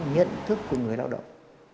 nhận thức của người lao động